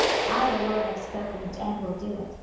I the LORD have spoken it, and will do it.